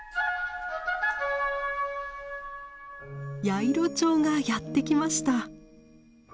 ヤイロチョウがやって来ました。